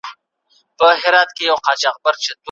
ټول علوم د یوې موخې لپاره دي.